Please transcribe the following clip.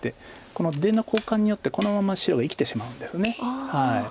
この出の交換によってこのまま白が生きてしまうんです。